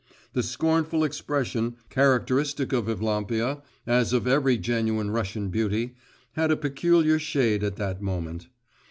The scornful expression, characteristic of Evlampia, as of every genuine Russian beauty, had a peculiar shade at that moment.